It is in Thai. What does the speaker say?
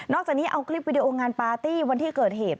อกจากนี้เอาคลิปวิดีโองานปาร์ตี้วันที่เกิดเหตุ